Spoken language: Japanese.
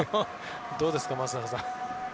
どうですか、松坂さん。